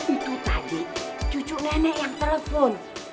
itu tadi cucu nenek yang telepon